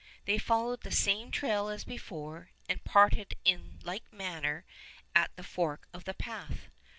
They followed the same trail as before, and parted in like manner at the fork of the path.